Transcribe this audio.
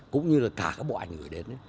cũng như là cả các bộ ảnh gửi đến